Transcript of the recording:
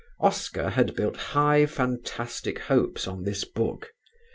Oscar had built high fantastic hopes on this book.